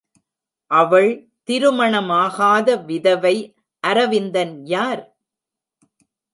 அவள் திருமணமாகாத விதவை அரவிந்தன் யார்?